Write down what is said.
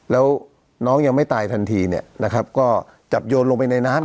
และน้องยังไม่ตายทันทีก็จับโยนลงไปในน้ำ